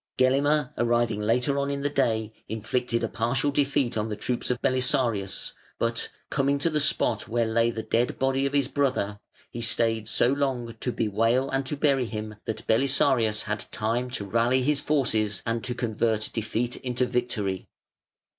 Gelimer arriving later on in the day inflicted a partial defeat on the troops of Belisarius, but, coming to the spot where lay the dead body of his brother, he stayed so long to bewail and to bury him that Belisarius had time to rally his forces and to convert defeat into victory.